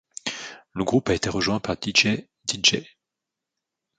Le groupe a été rejoint par Dj Didjé.